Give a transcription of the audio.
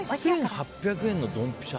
８８００円のドンピシャ